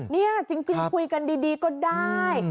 นี่จริงคุยกันดีก็ได้